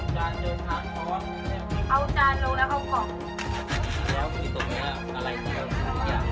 สวัสดีครับ